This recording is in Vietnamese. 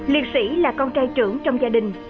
liệt sĩ là con trai trưởng trong gia đình